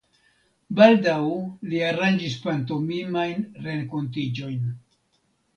Baldaŭ li aranĝis patomimajn renkontiĝojn.